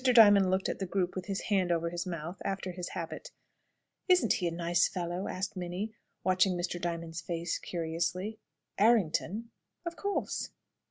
Diamond looked at the group with his hand over his mouth, after his habit. "Isn't he a nice fellow?" asked Minnie, watching Mr. Diamond's face curiously. "Errington?" "Of course!"